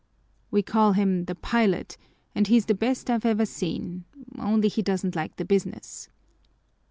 "We call him 'The Pilot' and he's the best I've ever seen, only he doesn't like the business."